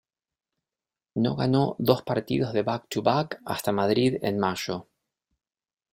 No ganó dos partidos de back-to-back "hasta Madrid en mayo.